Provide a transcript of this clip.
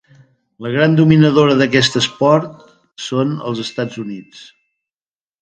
La gran dominadora d'aquest esport són els Estats Units.